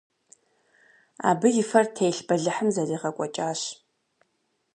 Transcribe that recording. Абы и фэр телъ бэлыхьым зэригъэкӏуэкӏащ.